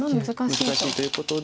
難しいということで。